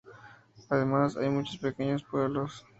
Además, hay muchos pequeños pueblos.